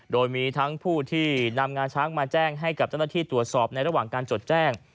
โดยมีทั้งผู้ที่นำงาช้างมาแจ้งให้กับเจ้าหน้าที่ตรวจสอบในระหว่างการจดแจ้ง